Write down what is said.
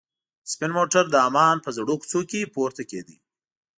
سپین موټر د عمان په زړو کوڅو کې پورته کېده.